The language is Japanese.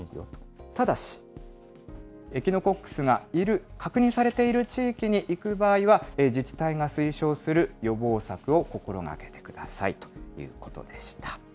ただし、エキノコックスがいる、確認されている地域に行く場合は、自治体が推奨する予防策を心がけてくださいということでした。